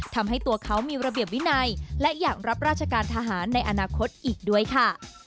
ทำให้ตัวเขามีระเบียบวินัยและอยากรับราชการทหารในอนาคตอีกด้วยค่ะ